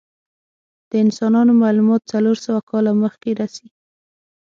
د انسانانو معلومات څلور سوه کاله مخکې رسی.